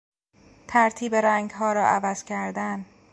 ترتیب رنگها را عوض کردن